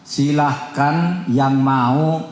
silahkan yang mau